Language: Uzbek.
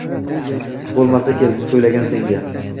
Bo’lmasa kel, so’ylayin senga…